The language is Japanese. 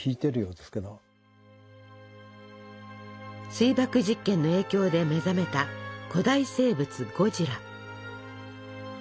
水爆実験の影響で目覚めた古代生物ゴジラ。